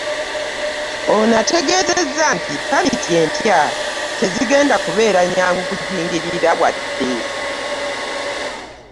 Ono ategeezezza nti Ppamiti empya tezigenda kubeera nnyangu kujingirira Wadde